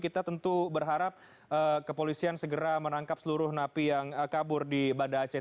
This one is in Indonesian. kita tentu berharap kepolisian segera menangkap seluruh napi yang kabur di banda aceh